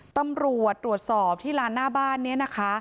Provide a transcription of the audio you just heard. ตำรวจตรวจสอบที่ลานหน้าบ้านนี้นะคะ